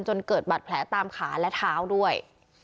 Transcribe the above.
จนเกิดบัตรแผลตามขาและเท้าด้วย